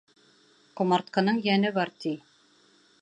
Ҡомартҡының йәне бар, ти.